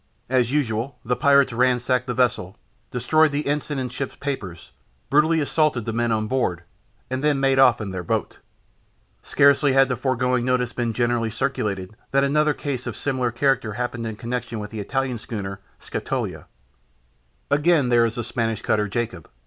As usual, the pirates ransacked the vessel, destroyed the ensign and ship's papers, brutally assaulted the men on board, and then made off in their boat. Scarcely had the foregoing notice been generally circulated than another case of a similar character happened in connection with the Italian schooner Scatuola. Again, there is the Spanish cutter Jacob.